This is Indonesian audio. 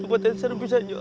tempat yang serem pisan jo